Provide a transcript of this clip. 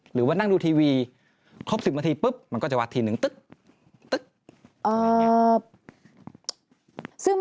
หรือยังดูทีวีครบ๑๐นาทีปุ๊บมันก็จะวัดทีนึงตึ๊บตึ๊บ